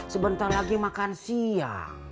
sebentar lagi makan siang